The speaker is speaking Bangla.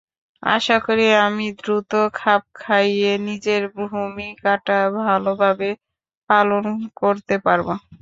আশা করি, আমি দ্রুত খাপ খাইয়ে নিজের ভূমিকাটা ভালোভাবে পালন করতে পারব।